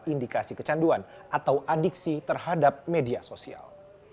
indikasi kecanduan atau adiksi terhadap media sosial